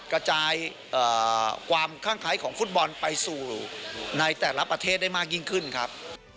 กระจายความข้างไคร้ของฟุตบอลไปสู่ในแต่ละประเทศได้มากยิ่งขึ้นครับ